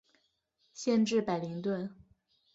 县治伯灵顿。